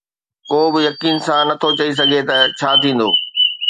ڪو به يقين سان نٿو چئي سگهي ته ڇا ٿيندو.